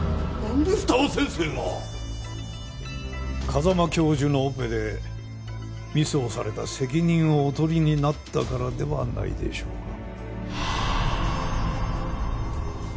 風間教授のオペでミスをされた責任をお取りになったからではないでしょうか。